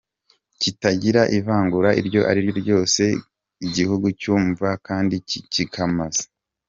kitagira ivangura iryo ari ryo ryose; igihugu cyumva kandi kikimakaza